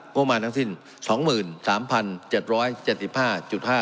โง่งมาทั้งสิน๒๓๗๗๕๕ล้านบาท